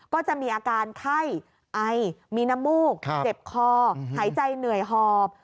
ก็จะมีอาการไข้ไอมีน้ำมูกเจ็บคอหายใจเหนื่อยหอบ